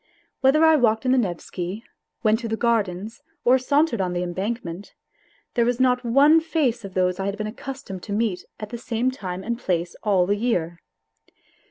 Whether I walked in the Nevsky, went to the Gardens or sauntered on the embankment, there was not one face of those I had been accustomed to meet at the same time and place all the year.